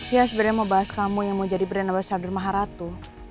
ya sebenernya mau bahas kamu yang mau jadi berenabas sadur maharatu